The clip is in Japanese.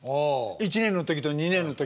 １年の時と２年の時と。